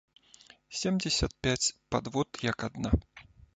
Семдзесят пяць падвод як адна.